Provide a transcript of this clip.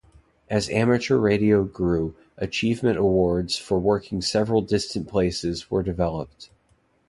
As amateur radio grew, achievement awards for working several distant places were developed.